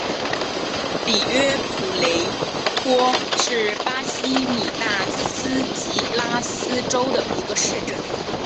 里约普雷托是巴西米纳斯吉拉斯州的一个市镇。